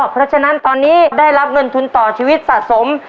เพราะฉะนั้นตอนนี้ได้รับเงินทุนต่อชีวิตสะสม